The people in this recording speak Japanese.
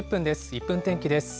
１分天気です。